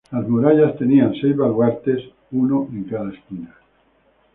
Las murallas tenía seis baluartes, uno en cada esquina.